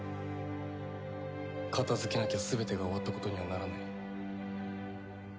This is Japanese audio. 片付けなきゃ全てが終わったことにはならない。